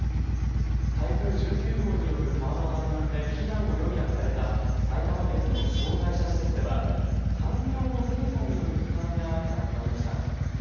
台風１９号による川の氾濫で避難を余儀なくされた埼玉県の障害者施設では環境の変化による負担が課題となりました。